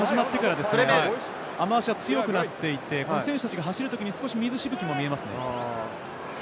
後半が始まってから雨脚が強くなっていて、選手たちが走るときに水しぶきが見えます。